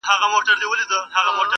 مُلا وویل سلطانه ستا قربان سم!!